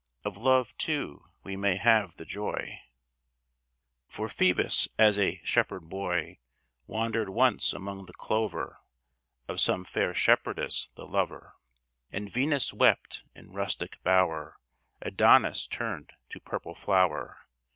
Of love, too, we may have the joy: For Phoebus as a shepherd boy Wandered once among the clover, Of some fair shepherdess the lover; And Venus wept, in rustic bower, Adonis turned to purple flower.